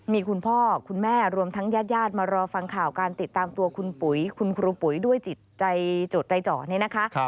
มีคุณพ่อคุณแม่รวมทั้งญาติญาติมารอฟังข่าวการติดตามตัวคุณปุ๋ยคุณครูปุ๋ยด้วยจิตใจจดใจเจาะนี่นะคะ